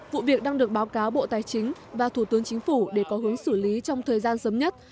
vụ việc đang được báo cáo bộ tài chính và thủ tướng chính phủ để có hướng xử lý trong thời gian sớm nhất